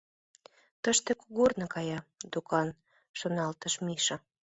«Тыште кугорно кая, докан, — шоналтыш Миша.